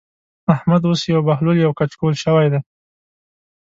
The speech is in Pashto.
احمد اوس يو بهلول يو کچکول شوی دی.